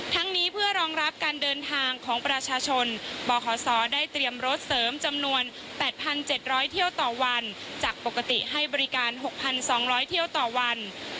นี้เพื่อรองรับการเดินทางของประชาชนบขศได้เตรียมรถเสริมจำนวน๘๗๐๐เที่ยวต่อวันจากปกติให้บริการ๖๒๐๐เที่ยวต่อวัน